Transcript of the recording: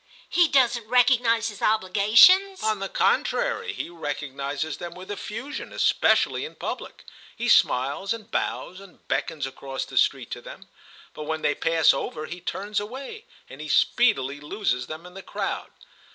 "He doesn't recognise his obligations?" "On the contrary, he recognises them with effusion, especially in public: he smiles and bows and beckons across the street to them. But when they pass over he turns away, and he speedily loses them in the crowd.